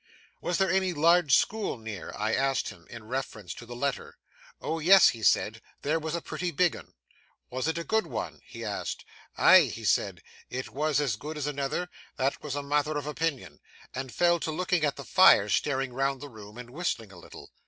"Was there any large school near?" I asked him, in reference to the letter. "Oh yes," he said; "there was a pratty big 'un." "Was it a good one?" I asked. "Ey!" he said, "it was as good as anoother; that was a' a matther of opinion"; and fell to looking at the fire, staring round the room, and whistling a little.